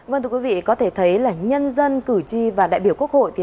vâng thưa quý vị có thể thấy là nhân dân cử tri và đại biểu quốc hội